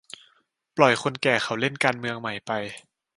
ปล่อยคนแก่เขาเล่น 'การเมืองใหม่' ไป